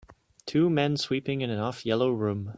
Two men sweeping in an off yellow room